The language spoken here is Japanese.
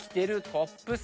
トップス⁉